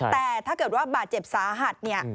แต่ถ้าเกิดว่าบาดเจ็บสาหัสเนี่ย